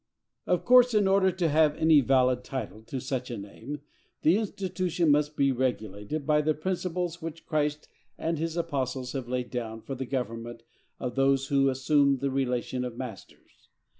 Of course, in order to have any valid title to such a name, the institution must be regulated by the principles which Christ and his apostles have laid down for the government of those who assume the relation of masters.